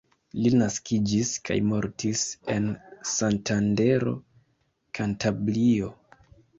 Li naskiĝis kaj mortis en Santandero, Kantabrio.